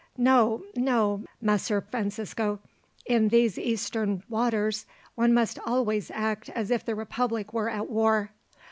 No, no, Messer Francisco. In these eastern waters one must always act as if the republic were at war.